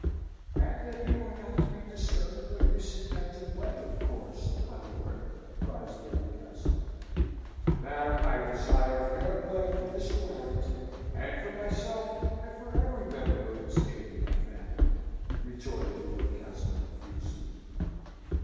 "And that you are not to be disturbed, when you sit down to play, of course, my lord!" cries Lady Castlewood. "Madam, I desire fair play, for Mr. Warrington, and for myself, and for every member of this amiable family," retorted Lord Castlewood, fiercely.